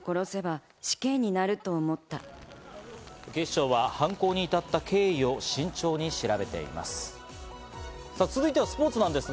警視庁は犯行に至った経緯を慎重に調べています。